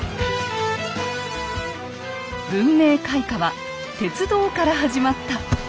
文明開化は鉄道から始まった。